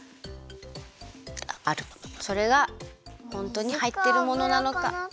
それがホントにはいってるものなのか。